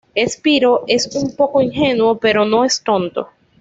Spyro es un poco ingenuo, pero no es tonto.